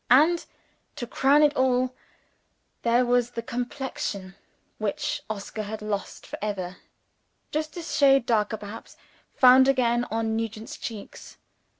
And, to crown it all, there was the complexion which Oscar had lost for ever (just a shade darker perhaps) found again on Nugent's cheeks!